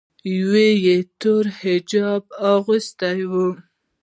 یوه یې تور حجاب اغوستی و.